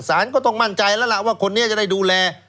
สารก็ต้องมั่นใจแล้วล่ะว่าคนนี้จะได้ดูแล